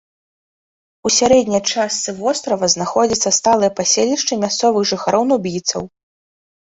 У сярэдняй частцы вострава знаходзяцца сталыя паселішчы мясцовых жыхароў-нубійцаў.